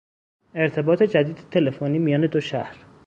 ارتباط جدید تلفنی میان دو شهر